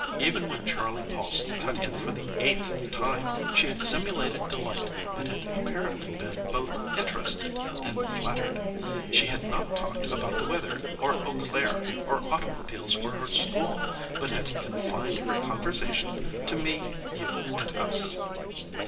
Even when Charley Paulson cut in for the eighth time she had simulated delight and had apparently been both interested and flattered. She had not talked about the weather or Eau Claire or automobiles or her school, but had confined her conversation to me, you, and us.